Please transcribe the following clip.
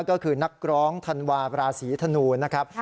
ก็คือนักร้องธันวาบราศีธนูนะครับ